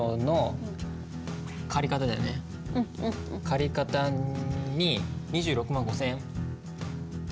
借方に２６万５，０００円だよね？